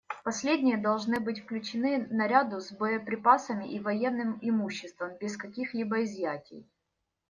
Последние должны быть включены наряду с боеприпасами и военным имуществом без каких-либо изъятий.